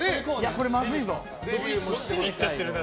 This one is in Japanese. これは、まずいぞ。